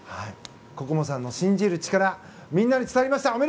心椛さんの信じる力みんなに伝わりました。